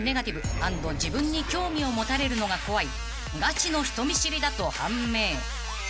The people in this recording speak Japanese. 自分に興味を持たれるのが怖いガチの人見知りだと判明］